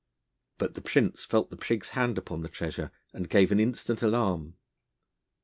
But the Prince felt the Prig's hand upon the treasure, and gave an instant alarm.